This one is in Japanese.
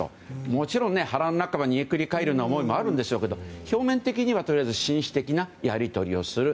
もちろん腹の中は煮えくり返るような思いはあるでしょうけど表面的には紳士的なやり取りをする。